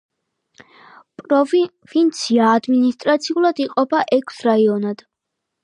პროვინცია ადმინისტრაციულად იყოფა ექვს რაიონად.